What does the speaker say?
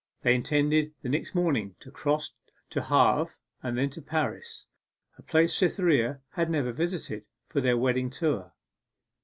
They intended the next morning to cross to Havre, and thence to Paris a place Cytherea had never visited for their wedding tour.